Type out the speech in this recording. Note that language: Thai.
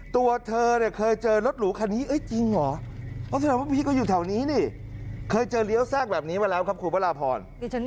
ตัวเธอเคยเจอรถหลูคันนี้เอ๊ะจริงเหรอ